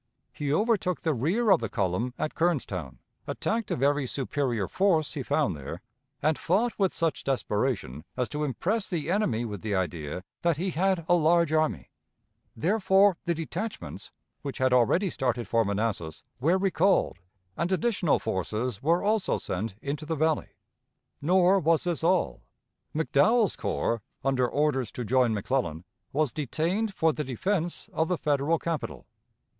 He overtook the rear of the column at Kernstown, attacked a very superior force he found there, and fought with such desperation as to impress the enemy with the idea that he had a large army; therefore, the detachments, which had already started for Manassas, were recalled, and additional forces were also sent into the Valley. Nor was this all. McDowell's corps, under orders to join McClellan, was detained for the defense of the Federal capital.